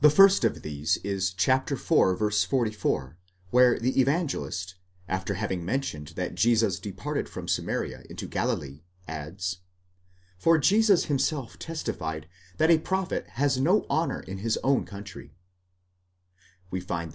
The first of these is iv. 44, where the Evangelist, after having mentioned that Jesus departed from Samaria into Galilee, adds, For Jesus himself testified that a prophet has no honour in his own country, αὐτὸς yap 6 Ἶ.